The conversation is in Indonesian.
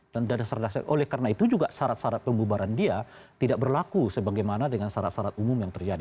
dan oleh karena itu juga syarat syarat pembubaran dia tidak berlaku sebagaimana dengan syarat syarat umum yang terjadi